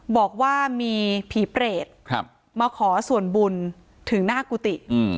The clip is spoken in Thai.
บอกว่ามีผีเปรตมาขอส่วนบุญถึงหน้ากุฏิ